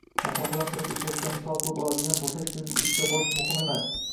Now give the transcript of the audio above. Masofadan turib ishlashni misol qilib oladigan boʻlsak, sizga ishga borish muhim emas